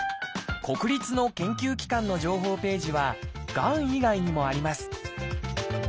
国立の研究機関の情報ページはがん以外にもあります。